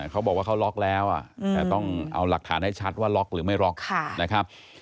เขาบอกว่าเขาล็อกแล้วต้องเอาหลักฐานให้ชัดว่าล็อกหรือไม่ล็อกนะครับ